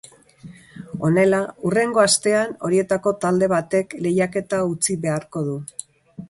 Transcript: Honela, hurrengo astean, horietako talde batek lehiaketa utzi beharko du.